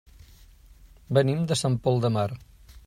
Venim de Sant Pol de Mar.